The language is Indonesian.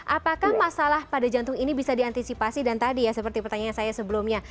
apakah masalah pada jantung ini bisa diantisipasi dan tadi ya seperti pertanyaan saya sebelumnya